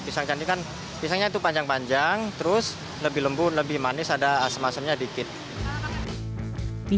pisang cantikan pisangnya itu panjang panjang terus lebih lembut lebih manis ada asem asemnya dikit di